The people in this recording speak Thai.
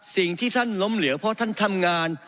สิ่งที่ท่านล้มเหลวเพราะท่านทำงาน